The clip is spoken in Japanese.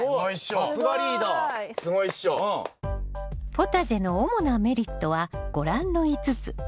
ポタジェの主なメリットはご覧の５つ。